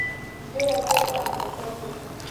ډېره زیاته اندازه بوره.